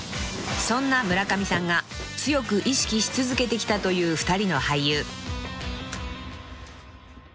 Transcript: ［そんな村上さんが強く意識し続けてきたという２人の俳優］